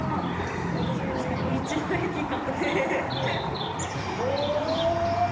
確かに道の駅感。